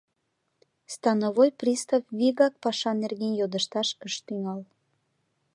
Становой пристав вигак паша нерген йодышташ ыш тӱҥал.